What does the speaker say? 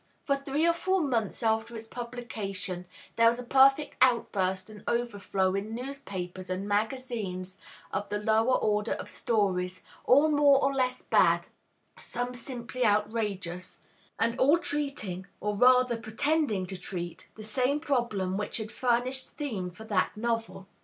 For three or four months after its publication there was a perfect outburst and overflow in newspapers and magazines of the lower order of stories, all more or less bad, some simply outrageous, and all treating, or rather pretending to treat, the same problem which had furnished theme for that novel.